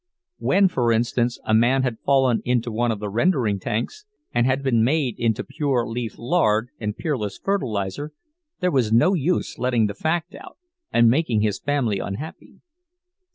When, for instance, a man had fallen into one of the rendering tanks and had been made into pure leaf lard and peerless fertilizer, there was no use letting the fact out and making his family unhappy.